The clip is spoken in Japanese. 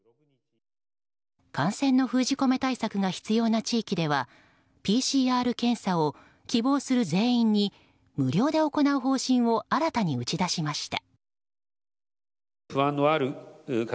感染の封じ込め対策が必要な地域ではＰＣＲ検査を希望する全員に無料で行う方針を新たに打ち出しました。